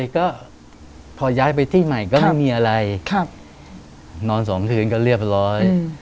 ก็พอย้ายไปที่ใหม่ก็ไม่มีอะไรนอนสองคืนก็เรียบร้อย